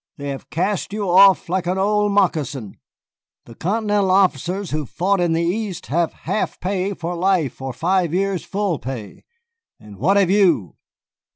They have cast you off like an old moccasin. The Continental officers who fought in the East have half pay for life or five years' full pay. And what have you?"